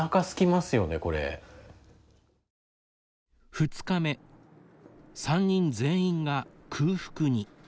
２日目、３人全員が空腹に。